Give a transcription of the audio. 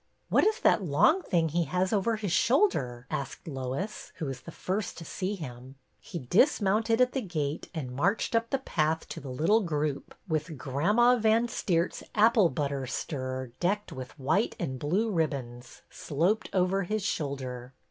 What is that long thing he has over his shoulder ?'' asked Lois, who was the first to see him. He dismounted at the gate and marched up the path to the little group, with " Gramma Van Steert's apple butter stirrer,^' decked with white and blue ribbons, sloped over his shoulder.